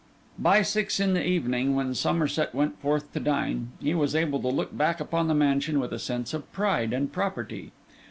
By six in the evening, when Somerset went forth to dine, he was able to look back upon the mansion with a sense of pride and property.